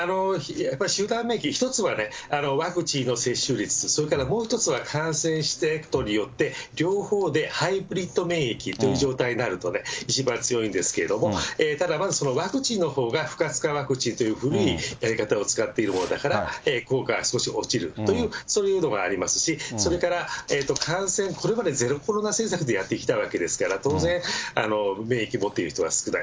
集団免疫、１つはワクチンの接種率、それからもう１つは感染していくことによって、両方でハイブリッド免疫という状態になると、一番強いんですけれども、ただまず、ワクチンのほうが不活化ワクチンという古いやり方を使っているものだから、効果は少し落ちるという、そういうのがありますし、それから感染、これまでゼロコロナ政策でやってきたわけですから、当然、免疫持ってる人が少ない。